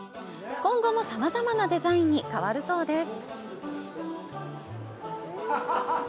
今後も、さまざまなデザインに変わるそうです。